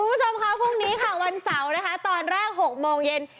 คุณผู้ชมค่ะพรุ่งนี้ค่ะวันเสาร์นะคะตอนแรก๖โมงเย็น